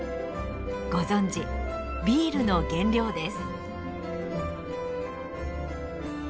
ご存じビールの原料です。